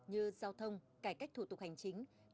như giao thông cải cách thủ tục hành chính